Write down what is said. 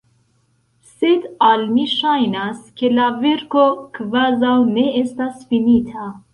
Sed al mi ŝajnas, ke la verko kvazaŭ ne estas finita.